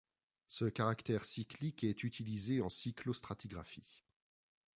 Ce caractère cyclique est utilisé en cyclostratigraphie.